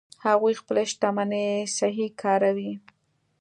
هغوی خپلې شتمنۍ صحیح کاروي